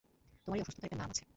তোমার এই অসুস্থতার একটা নাম আছে।